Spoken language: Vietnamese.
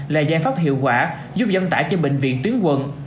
là giải pháp hiệu quả giúp giảm tải cho bệnh viện tuyến quận